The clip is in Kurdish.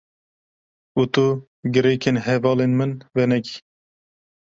Û tu girêkên hevalên min venekî.